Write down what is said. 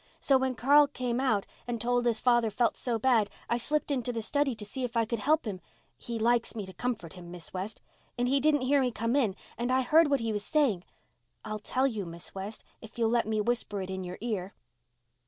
So when Carl came out and told us father felt so bad, I slipped into the study to see if I could help him—he likes me to comfort him, Miss West—and he didn't hear me come in and I heard what he was saying. I'll tell you, Miss West, if you'll let me whisper it in your ear."